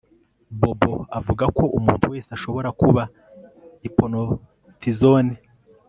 Bobo avuga ko umuntu wese ashobora kuba hypnotizone